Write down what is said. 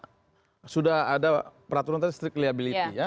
karena sudah ada peraturan tadi strict liability ya